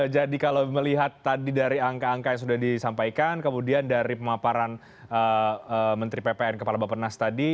jadi kalau melihat tadi dari angka angka yang sudah disampaikan kemudian dari pemaparan menteri ppn kepala bapak pernas tadi